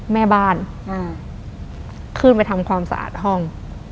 แม่บ้านขึ้นไปทำความสะอาดห้อง